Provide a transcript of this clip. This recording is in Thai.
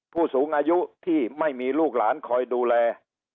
ผู้สูงอายุที่ไม่มีลูกหลานคอยดูแล